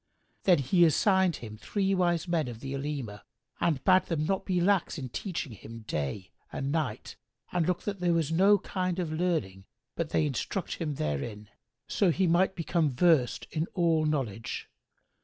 Then he assigned him three wise men of the Olema and bade them not be lax in teaching him day and night and look that there was no kind of learning but they instruct him hterin, so he might become versed in all knowledge.